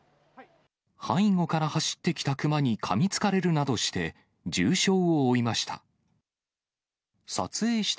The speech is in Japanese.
背後から走ってきたクマにかみつかれるなどして、重傷を負いました。